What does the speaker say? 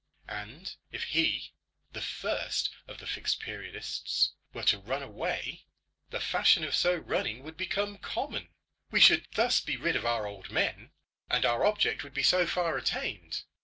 And if he, the first of the Fixed Periodists, were to run away, the fashion of so running would become common. We should thus be rid of our old men, and our object would be so far attained.